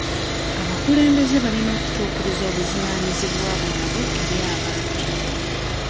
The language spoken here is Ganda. Abakulembeze balina okutuukiriza obuvunaanyizibwa bwabwe eri abantu.